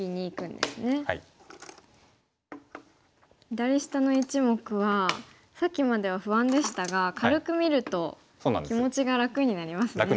左下の１目はさっきまでは不安でしたが軽く見ると気持ちが楽になりますね。